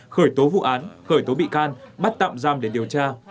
khởi tố vụ án khởi tố bị can bắt tạm giam để điều tra